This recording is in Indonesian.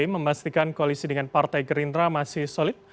memastikan koalisi dengan partai gerindra masih solid